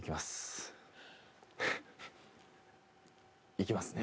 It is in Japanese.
行きますね。